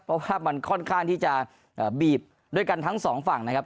เพราะว่ามันค่อนข้างที่จะบีบด้วยกันทั้งสองฝั่งนะครับ